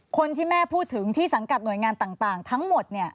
คนที่แม่พูดถึงที่สังกัดหน่วยงานต่างทั้งหมดเนี่ย